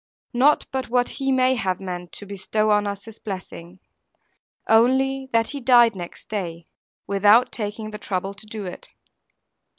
Not but what he may have meant to bestow on us his blessing; only that he died next day, without taking the trouble to do it.